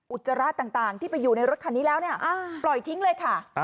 อุจจาระต่างที่ไปอยู่ในรถคันนี้แล้วเนี่ยปล่อยทิ้งเลยค่ะ